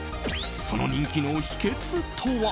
その人気の秘訣とは？